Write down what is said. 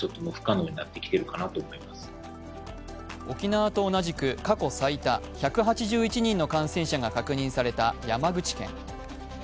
沖縄と同じく過去最多１８１人の感染が確認された山口県。